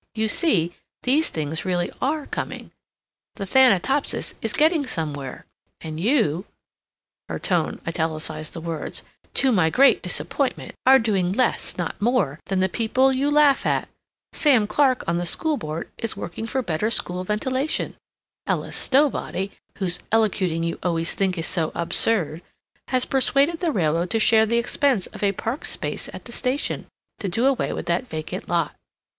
You see, these things really are coming! The Thanatopsis is getting somewhere. And you " Her tone italicized the words "to my great disappointment, are doing less, not more, than the people you laugh at! Sam Clark, on the school board, is working for better school ventilation. Ella Stowbody (whose elocuting you always think is so absurd) has persuaded the railroad to share the expense of a parked space at the station, to do away with that vacant lot.